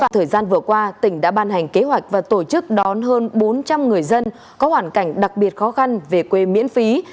thời gian vừa qua tỉnh đã ban hành kế hoạch và tổ chức đón hơn bốn trăm linh người dân có hoàn cảnh đặc biệt khó khăn về quê miễn phí